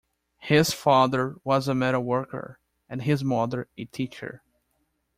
His father was a metalworker and his mother a teacher.